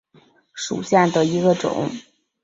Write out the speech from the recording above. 瓢箪藤棒粉虱为粉虱科棒粉虱属下的一个种。